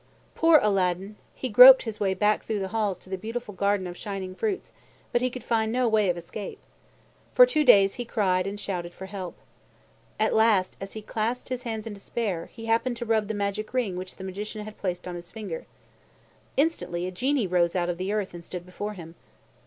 Poor Aladdin! He groped his way back through the halls to the beautiful garden of shining fruits, but he could find no way of escape. For two days, he cried and shouted for help. At last, as he clasped his hands in despair, he happened to rub the magic ring which the Magician had placed on his finger. Instantly a Genie rose out of the earth and stood before him.